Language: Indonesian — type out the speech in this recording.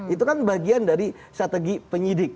itu kan bagian dari strategi penyidik